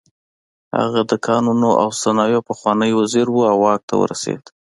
هغه د کانونو او صنایعو پخوانی وزیر و او واک ته ورسېد.